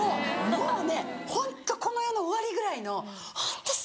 もうねホントこの世の終わりぐらいの「ホントすいません！